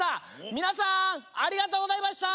みなさんありがとうございました！